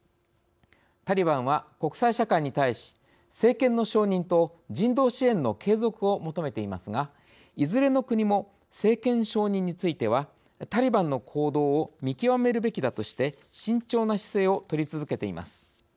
タリバンは、国際社会に対し政権の承認と人道支援の継続を求めていますがいずれの国も政権承認についてはタリバンの行動を見極めるべきだとして慎重な姿勢を取り続けています。